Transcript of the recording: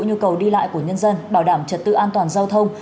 nhu cầu đi lại của nhân dân bảo đảm trật tự an toàn giao thông